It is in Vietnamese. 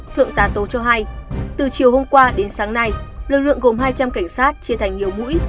thượng tá tô cho hay từ chiều hôm qua đến sáng nay lực lượng gồm hai trăm linh cảnh sát chia thành nhiều mũi